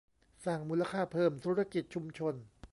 สร้างมูลค่าเพิ่มธุรกิจชุมชน